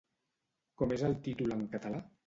Com és el títol en català?